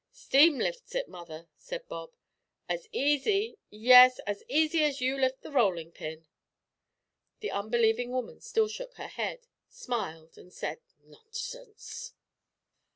"Steam lifts it, mother," said Bob, "as easy yes, as easy as you lift the rollin' pin." The unbelieving woman still shook her head, smiled, and said, "Nonsense!"